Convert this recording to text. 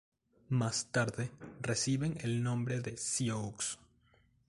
Más tarde reciben el nombre de "Sioux".